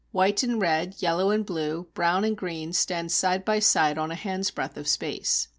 "White and red, yellow and blue, brown and green stand side by side on a hand's breadth of space."